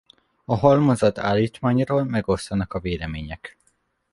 A halmozott állítmányról megoszlanak a vélemények.